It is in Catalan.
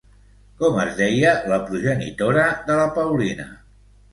Com es deia la progenitora de la Paulina?